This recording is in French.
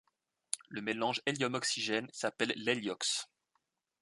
Le mélange Hélium-Oxygène s'appelle l'Héliox.